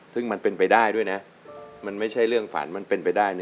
ซึ่งมันเป็นไปได้ด้วยนะมันไม่ใช่เรื่องฝันมันเป็นไปได้นะ